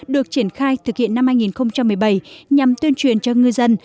được triển khai thực hiện năm hai nghìn một mươi bảy nhằm tuyên truyền cho ngư dân